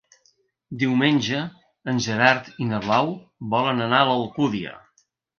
Diumenge en Gerard i na Blau volen anar a l'Alcúdia.